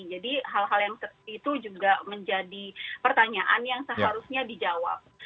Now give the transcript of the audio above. jadi hal hal yang itu juga menjadi pertanyaan yang seharusnya dijawab